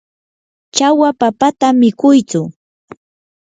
chawa papata mikuytsu.